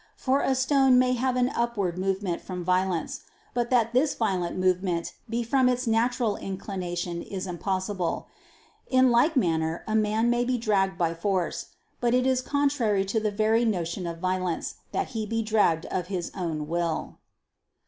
For a stone may have an upward movement from violence, but that this violent movement be from its natural inclination is impossible. In like manner a man may be dragged by force: but it is contrary to the very notion of violence, that he be dragged of his own will.